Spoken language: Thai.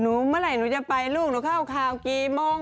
เมื่อไหร่หนูจะไปลูกหนูเข้าข่าวกี่โมง